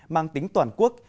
mang tính toàn quốc